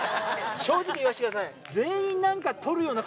正直言わせてください。